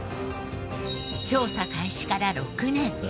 調査開始から６年